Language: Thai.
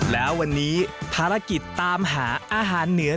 แล้ววันนี้ภารกิจตามหาอาหารเหนือ